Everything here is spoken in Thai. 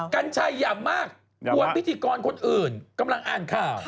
กัญชัยอย่ามากวนพิธีกรคนอื่นกำลังอ่านข่าว